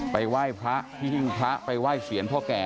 ไปไหว้พระที่หิ้งพระไปไหว้เสียรพ่อแก่